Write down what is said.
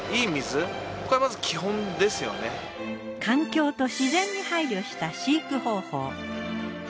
環境と自然に配慮した飼育方法。